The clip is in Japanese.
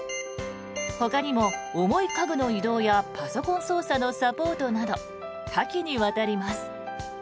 ほかにも重い家具の移動やパソコン操作のサポートなど多岐にわたります。